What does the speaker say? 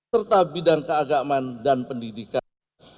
serta bidang keagaman dan pendidikan